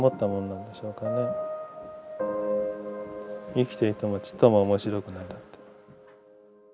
「生きていてもちっとも面白くない」なんて。